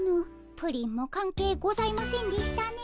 プリンも関係ございませんでしたね。